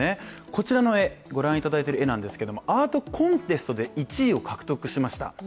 こちらの絵、ご覧いただいている絵なんですがアートコンテストで１位を獲得しました。